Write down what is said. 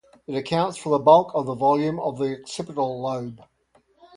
It accounts for the bulk of the volume of the occipital lobe.